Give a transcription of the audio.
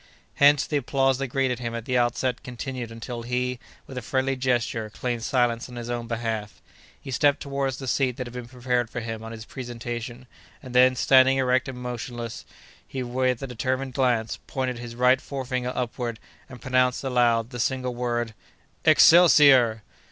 Hence, the applause that greeted him at the outset continued until he, with a friendly gesture, claimed silence on his own behalf. He stepped toward the seat that had been prepared for him on his presentation, and then, standing erect and motionless, he, with a determined glance, pointed his right forefinger upward, and pronounced aloud the single word— "Excelsior!"